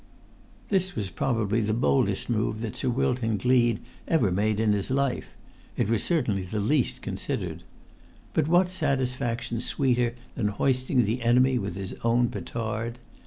This was probably the boldest move that Sir Wilton Gleed ever made in his life; it was certainly the least considered. But what satisfaction sweeter than hoisting the enemy with his own petard?